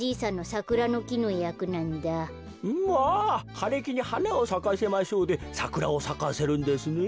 「かれきにはなをさかせましょう」でサクラをさかせるんですね。